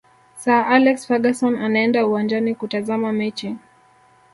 sir alex ferguson anaenda uwanjani kutazama mechi